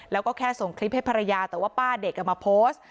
แล้วก็แค่ส่งคลิปให้ภรรยาแต่ว่าป้าเด็กเอามาโพสต์